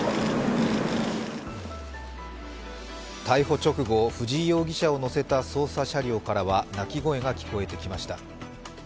逮捕直後、藤井容疑者を乗せた捜査車両からは泣き声が聞こえてきました。